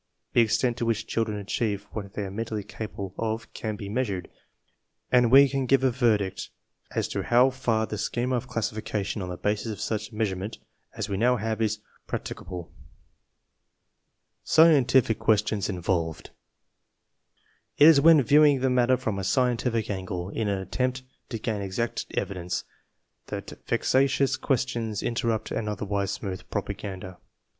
The extent to which children achieve what they are mentally capable of can be measured, and we can give a verdict as to how far the schema of classification on the basis of such measure ment as we now have is practicable. THE CONSERVATION OF TALENT 75 SCIENTIFIC QUESTIONS INVOLVED It is when viewing the matter from a scientific angle in an attempt to gain exact evidence, that vexatious ques tions interrupt an otherwise smooth propaganda.